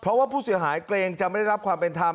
เพราะว่าผู้เสียหายเกรงจะไม่ได้รับความเป็นธรรม